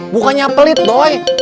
bukannya pelit doi